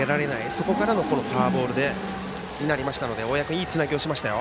そこからのフォアボールになりましたので大矢君、いいつなぎをしましたよ。